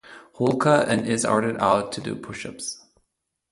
Hulka and is ordered out to do push-ups.